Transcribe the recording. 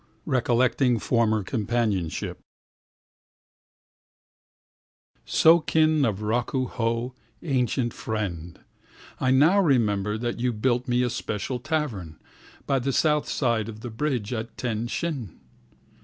Exile's Letter By Ezra Pound SO KIN of Rakuho, ancient friend, I now rememberThat you built me a special tavern, By the south side of the bridge at Ten Shin.